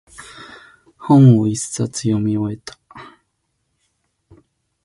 本を一冊読み終えた。